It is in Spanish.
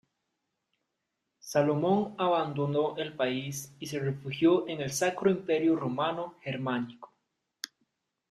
Salomón abandonó el país y se refugió en el Sacro Imperio Romano Germánico.